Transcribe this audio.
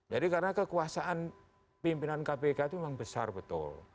jadi karena kekuasaan pimpinan kpk itu memang besar betul